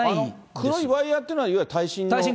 黒いワイヤーっていうのは、いわゆる耐震の？